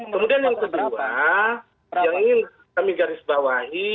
kemudian yang kedua yang ingin kami garisbawahi